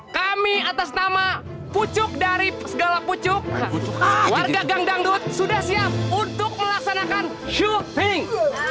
kami atas nama pucuk dari segala pucuk warga gang dangdut sudah siap untuk melaksanakan syuping